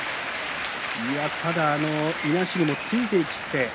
ただ、いなしにもついていく姿勢。